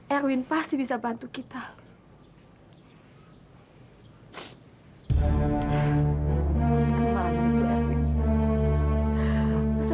erwin pasti bisa bantu kita